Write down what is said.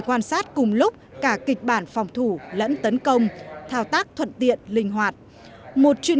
quan sát cùng lúc cả kịch bản phòng thủ lẫn tấn công thao tác thuận tiện linh hoạt một chuyên